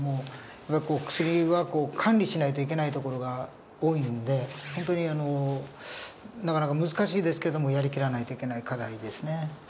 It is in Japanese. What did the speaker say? やっぱり薬は管理しないといけないところが多いので本当になかなか難しいですけどもやり切らないといけない課題ですね。